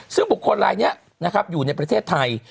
ซึ่งบุคคลลายนี้นะครับอยู่ในประเทศไทย